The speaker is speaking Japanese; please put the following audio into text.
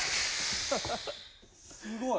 すごい。